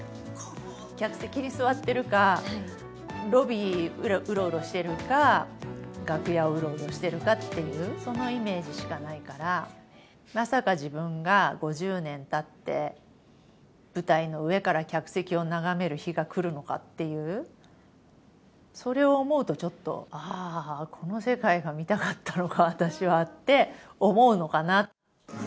客席に座ってるか、ロビーうろうろしてるか、楽屋をうろうろしてるかっていう、そのイメージしかないから、まさか自分が５０年たって、舞台の上から客席を眺める日がくるのかっていう、それを思うと、ちょっと、ああ、この世界が見たかったのか、私はって思うのかな。